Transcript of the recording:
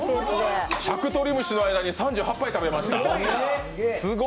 しゃくとり虫の間に、３８杯食べました。